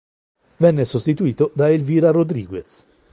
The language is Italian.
Viene sostituito da Elvira Rodríguez.